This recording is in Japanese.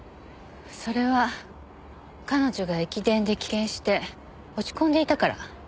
それは彼女が駅伝で棄権して落ち込んでいたから。